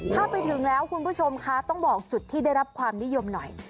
ถ้าไปถึงแล้วคุณผู้ชมคะต้องบอกจุดที่ได้รับความนิยมหน่อย